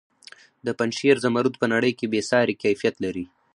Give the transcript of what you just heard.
د پنجشیر زمرد په نړۍ کې بې ساري کیفیت لري.